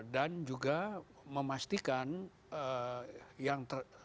dan juga memastikan yang ter